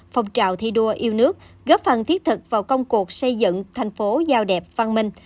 phong trào thi đua yêu nước góp phần thiết thực vào công cuộc xây dựng thành phố giao đẹp văn minh